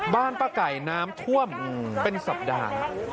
บ้านป้าไก่น้ำท่วมเป็นสัปดาห์